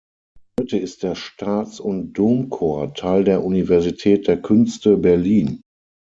Heute ist der Staats- und Domchor Teil der Universität der Künste Berlin.